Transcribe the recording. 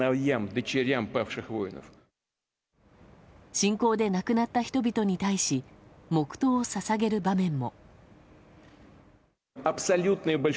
侵攻で亡くなった人々に対し黙祷を捧げる場面も。